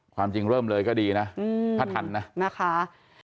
ความจริงเริ่มเลยก็ดีนะถ้าทันนะนะคะ